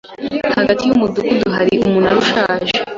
Hagati yumudugudu hari umunara ushaje.